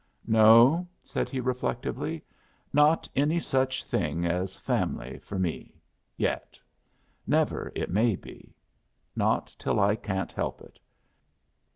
"No," said he, reflectively; "not any such thing as a fam'ly for me, yet. Never, it may be. Not till I can't help it.